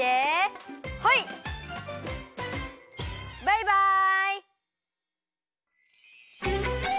バイバイ！